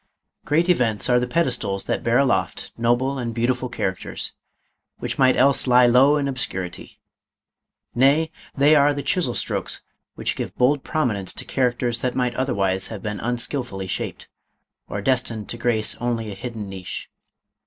GREAT events are the pedestals that bear aloft noble and beautiful characters, which might else lie low in obscurity ; nay, they are the chisel strokes which give bold prominence to characters that might other wise have been unskilfully shaped, or destined to grace only a hidden niche.